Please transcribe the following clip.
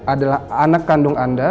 adalah anak kandung anda